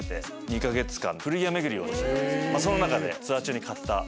その中でツアー中に買った。